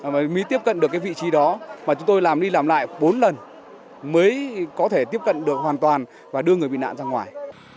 mới tiếp cận được cái vị trí đó mà chúng tôi làm đi làm lại bốn lần mới có thể tiếp cận được hoàn toàn và đưa người bị nạn ra ngoài